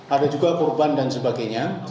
ada juga korban dan sebagainya